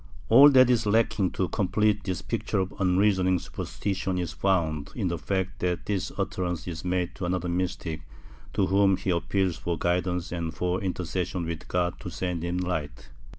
All that is lacking to complete this picture of unreasoning superstition is found in the fact that this utterance is made to another mystic to whom he appeals for guidance and for intercession with God to send him light.